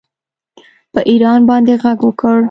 په ایران باندې غږ وکړ